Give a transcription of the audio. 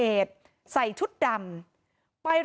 พอครูผู้ชายออกมาช่วยพอครูผู้ชายออกมาช่วย